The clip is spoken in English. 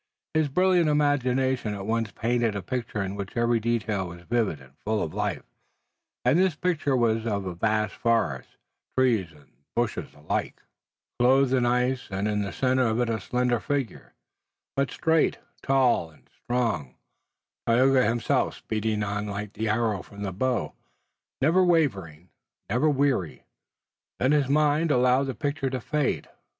His brilliant imagination at once painted a picture in which every detail was vivid and full of life, and this picture was of a vast forest, trees and bushes alike clothed in ice, and in the center of it a slender figure, but straight, tall and strong, Tayoga himself speeding on like the arrow from the bow, never wavering, never weary. Then his mind allowed the picture to fade.